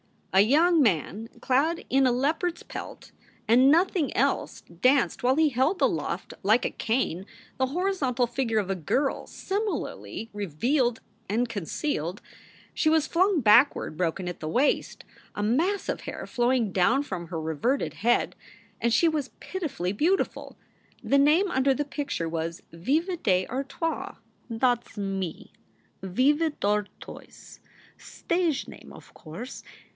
A young man clad in a leopard s pelt and nothing else danced while he held aloft like a cane the horizontal figure of a girl similarly revealed and concealed. She was flung backward, broken at the waist, a mass of hai~ flowing down from her reverted head; and she was pitifully beautiful. The name under the picture was Viva d Artoise. "That s me, Veva Dartoys stage name, o course.